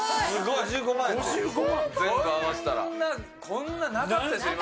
こんななかったですよ